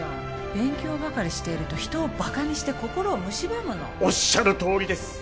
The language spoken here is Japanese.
勉強ばかりしていると人をバカにして心をむしばむのおっしゃるとおりです